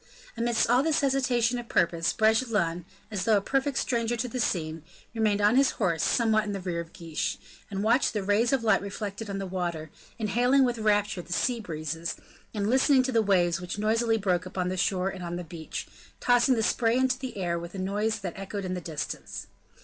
Amidst all this hesitation of purpose, Bragelonne, as though a perfect stranger to the scene, remained on his horse somewhat in the rear of Guiche, and watched the rays of light reflected on the water, inhaling with rapture the sea breezes, and listening to the waves which noisily broke upon the shore and on the beach, tossing the spray into the air with a noise that echoed in the distance.